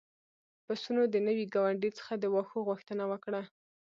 پسونو د نوي ګاونډي څخه د واښو غوښتنه وکړه.